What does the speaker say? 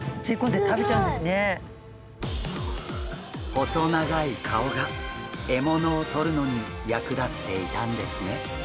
細長い顔が獲物をとるのに役立っていたんですね。